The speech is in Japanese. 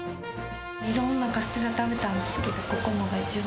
いろんなカステラ食べたんですけど、ここのが一番。